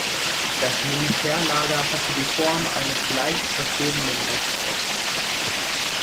Das Militärlager hatte die Form eines leicht verschobenen Rechtecks.